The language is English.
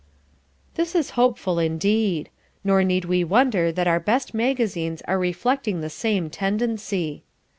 This is hopeful indeed. Nor need we wonder that our best magazines are reflecting the same tendency.